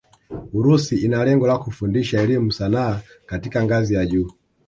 Urusi ina lengo la kufundisha elimu sanaa katika ngazi ya juu